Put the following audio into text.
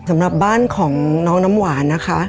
สำหรับบ้านของน้องน้ำหวานนะคะ